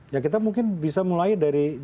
dan kita mungkin bisa mulai dari definisi ini ya